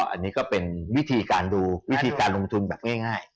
อันนี้ก็เป็นวิธีการดูวิธีการลงทุนแบบง่าย